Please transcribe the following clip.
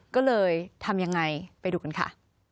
ก็เลยทำยังไงไปดูกันค่ะ